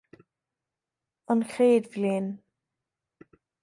An Chéad Bhliain